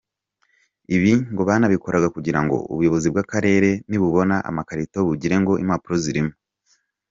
Ibi ngo banabikoraga kugira ngo ubuyobozi bw’akarere nibubona amakarito bugire ngo impapuro zirimo.